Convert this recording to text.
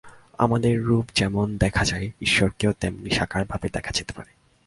আমাদের রূপ যেমন দেখা যায়, ঈশ্বরকেও তেমনি সাকারভাবে দেখা যেতে পারে।